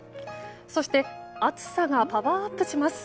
そして暑さがパワーアップします。